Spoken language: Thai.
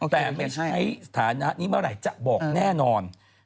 แต่ไม่ใช้สถานะนี้เมื่อไหร่จะบอกแน่นอน